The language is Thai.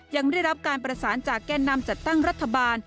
ยังได้รับการประสานจากแก่นำจัดตั้งรัฐบาล